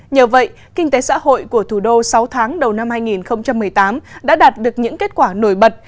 nhờ vậy kinh tế xã hội của thủ đô sáu tháng đầu năm hai nghìn một mươi tám đã đạt được những kết quả nổi bật